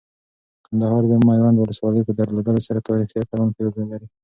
کندهار د میوند ولسوالۍ په درلودلو سره تاریخي اتلان په یاد لري.